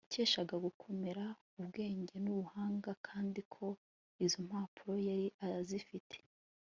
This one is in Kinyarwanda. yakeshaga gukomera, ubwenge n'ubuhanga, kandi ko izo mpano yari azifite